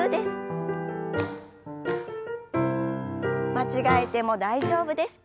間違えても大丈夫です。